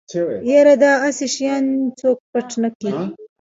يره دا اسې چې شيان څوک پټ نکي.